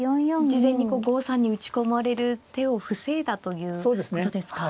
事前に５三に打ち込まれる手を防いだということですか。